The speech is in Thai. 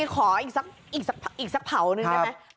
ขออีกสักเผาหนึ่งได้ไหม